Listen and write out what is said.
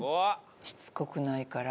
しつこくないから。